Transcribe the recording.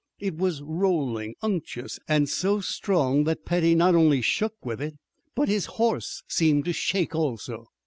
It was rolling, unctuous, and so strong that Petty not only shook with it, but his horse seemed to shake also.